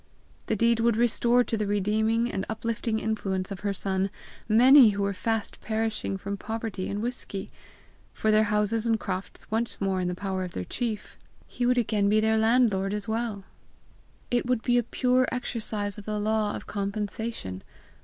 The deed would restore to the redeeming and uplifting influence of her son many who were fast perishing from poverty and whisky; for, their houses and crofts once more in the power of their chief, he would again be their landlord as well! It would be a pure exercise of the law of compensation!